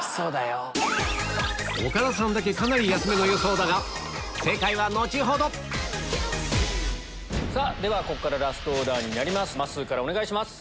岡田さんだけかなり安めの予想だが正解はではここからラストオーダーまっすーからお願いします。